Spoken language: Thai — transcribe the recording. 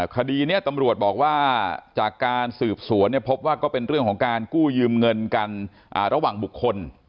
คดีนี้ตำรวจบอกว่าจากการสืบสวนพบว่าก็เป็นเรื่องของการกู้ยืมเงินกันระหว่างบุคคล